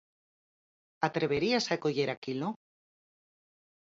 Atreveríase a coller aquilo?